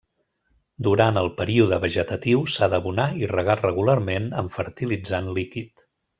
Durant el període vegetatiu s'ha d'abonar i regar regularment amb fertilitzant líquid.